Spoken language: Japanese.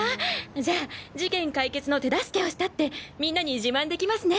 じゃあ事件解決の手助けをしたってみんなに自慢できますね。